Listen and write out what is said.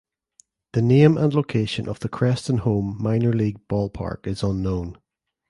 The name and location of the Creston home minor league ballpark is unknown.